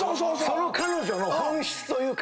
その彼女の本質というか。